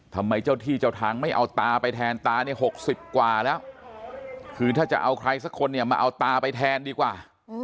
ทำไมเจ้าที่เจ้าทางไม่เอาตาไปแทนตาเนี่ย๖๐กว่าแล้วคือถ้าจะเอาใครสักคนเนี่ยมาเอาตาไปแทนดีกว่า